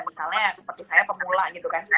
misalnya seperti saya pemula gitu kan